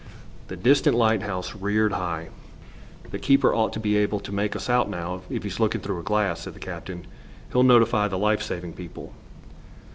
The distant lighthouse reared high. "The keeper ought to be able to make us out now, if he's looking through a glass," said the captain. "He'll notify the life saving people."